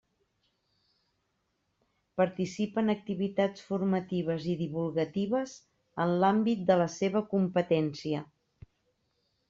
Participa en activitats formatives i divulgatives en l'àmbit de la seva competència.